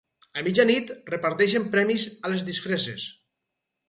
A mitja nit reparteixen premis a les disfresses.